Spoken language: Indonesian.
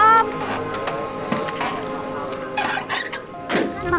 makasih ya pak